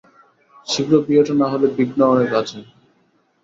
শীঘ্র বিয়েটা না হলে বিঘ্ন অনেক আছে।